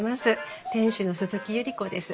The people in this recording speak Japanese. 店主の鈴木百合子です。